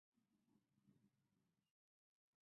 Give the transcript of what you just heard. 首先他们为这个项目订了高级优先权的级别。